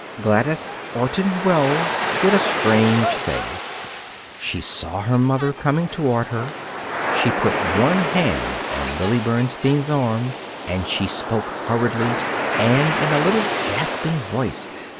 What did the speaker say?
Gladys Orton Wells did a strange thing. She saw her mother coming toward her. She put one hand on Lily Bernstein's arm and she spoke hurriedly and in a little gasping voice.